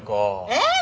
えっ？